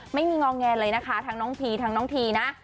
ไม่มีงองแงนเลยนะคะทั้งน้องทีนะ